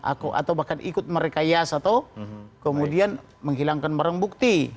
atau bahkan ikut merekayas atau kemudian menghilangkan barang bukti